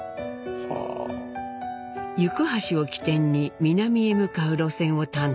行橋を起点に南へ向かう路線を担当。